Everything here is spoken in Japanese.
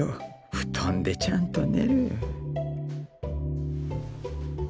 布団でちゃんと寝る。